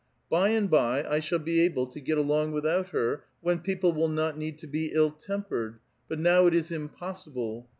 '* Hy and by I shall be able to get along without her, when people will not need to be ill tempered ; but now it is impos sible.